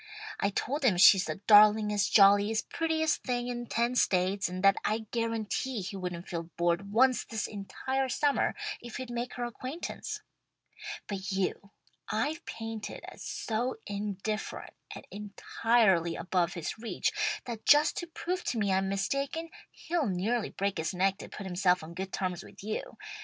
I told him she's the darlingest, jolliest, prettiest thing in ten states, and that I'd guarantee he wouldn't feel bored once this entire summer if he'd make her acquaintance. "But you I've painted as so indifferent and entirely above his reach, that just to prove to me I'm mistaken, he'll nearly break his neck to put himself on good terms with you.